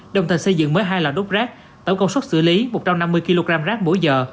đồng thời xây dựng mới hai lò đốt rác tổng công suất xử lý một trăm năm mươi kg rác mỗi giờ